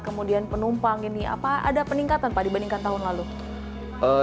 kemudian penumpang ini apa ada peningkatan pak dibandingkan tahun lalu